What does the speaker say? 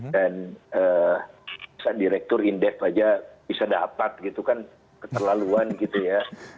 dan bisa direktur indef saja bisa dapat gitu kan keterlaluan gitu ya